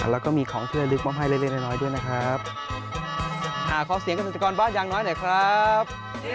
และก็มีของเครื่องลืมมองให้เล็กน้อยด้วยนะครับ